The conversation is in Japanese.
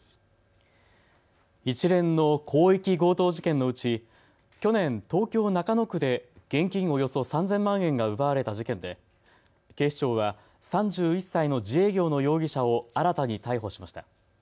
一連の広域強盗事件のうち去年、東京中野区で現金およそ３０００万円が奪われた事件で警視庁は３１歳の自営業の容疑者を新たに逮捕しました。